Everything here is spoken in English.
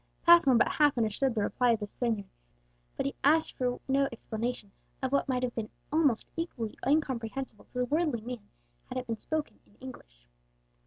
Passmore but half understood the reply of the Spaniard, but he asked for no explanation of what might have been almost equally incomprehensible to the worldly man had it been spoken in English.